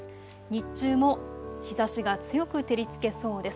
日中も日ざしが強く照りつけそうです。